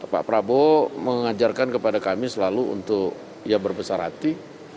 pak prabowo mengajarkan kepada kami selalu untuk ya berbesar hati